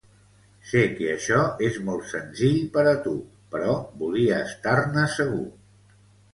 Sé que això és molt senzill per a tu, però volia estar-ne segur.